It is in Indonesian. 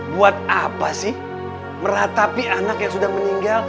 buat apa sih meratapi anak yang sudah meninggal